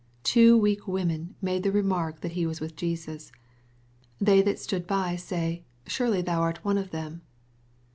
Two weak women make the remark that he was with Jesus. They that stood by say, " Surely thou art one of them."